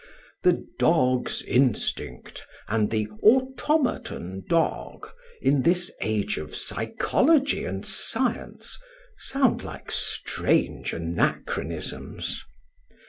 The "dog's instinct" and the "automaton dog," in this age of psychology and science, sound like strange anachronisms.